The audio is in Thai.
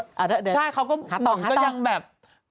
ใช่เขาก็ต่องก็ยังแบบ